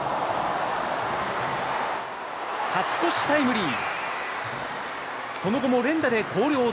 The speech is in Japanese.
勝ち越しタイムリー。